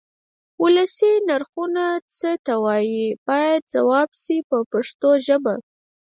ولسي نرخونه څه ته وایي باید ځواب شي په پښتو ژبه.